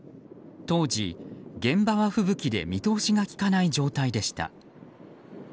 当時、現場は吹雪で見通しがきかない状態でした。